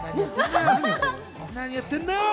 何やってんのよ。